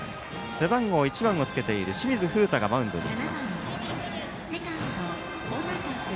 背番号１番をつけている清水風太がマウンドへ行きます。